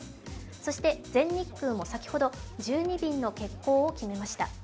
そして全日空も先ほど１２便の欠航を決めました。